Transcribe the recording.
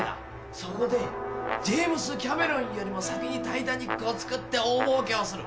そこでジェームズ・キャメロンよりも先に『タイタニック』を作って大もうけをする。